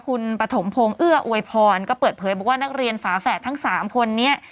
คุณปฐมพงศ์เอื้ออวยพรก็เปิดเผยบอกว่านักเรียนฝาแฝดทั้งสามคนนี้